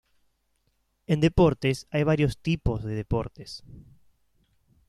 En deportes hay varios tipos de deportes.